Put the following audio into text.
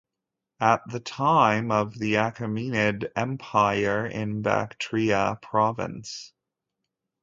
At the time of the Achaemenid Empire in Bactria province.